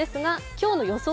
今日の予想